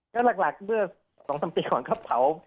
ก็หลักเมื่อ๒๓ปีก่อนก็เผา